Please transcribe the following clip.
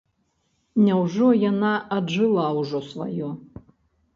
Няўжо яна аджыла ўжо сваё?